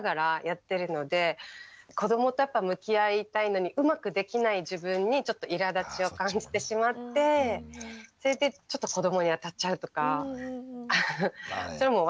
子どもと向き合いたいのにうまくできない自分にちょっといらだちを感じてしまってそれでちょっと子どもに当たっちゃうとかそれも私の問題なんですけど。